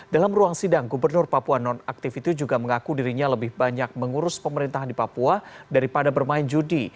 dalam ruang sidang gubernur papua non activity juga mengaku dirinya lebih banyak mengurus pemerintahan di papua daripada bermain judi